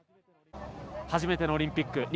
初めてのオリンピック。